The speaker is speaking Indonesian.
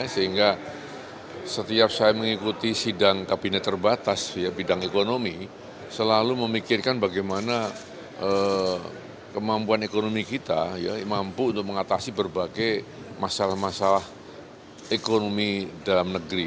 sehingga setiap saya mengikuti sidang kabinet terbatas bidang ekonomi selalu memikirkan bagaimana kemampuan ekonomi kita mampu untuk mengatasi berbagai masalah masalah ekonomi dalam negeri